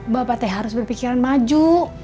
bapak teh harus berpikiran maju